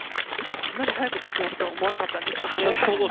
こんなに早くいなくなると思わなかったんですけどね。